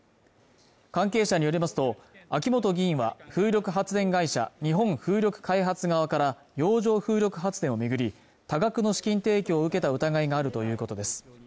関係者によりますと秋本議員は風力発電会社日本風力開発側から洋上風力発電を巡り多額の資金提供を受けた疑いがあるということです